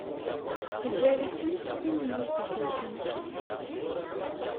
Tugar-ikem s sin n yiseggasen.